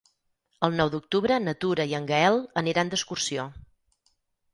El nou d'octubre na Tura i en Gaël aniran d'excursió.